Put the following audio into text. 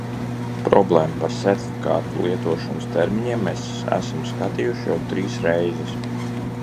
Problēmu par sertifikātu lietošanas termiņiem mēs esam skatījuši jau trīs reizes.